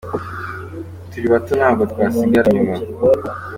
ati, Turi bato ntabwo twasigara inyuma.